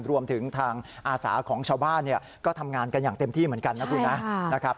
รวมถึงทางอาสาของชาวบ้านก็ทำงานกันอย่างเต็มที่เหมือนกันนะคุณนะ